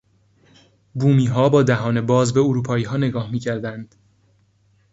بومیها با دهان باز به اروپاییها نگاه میکردند.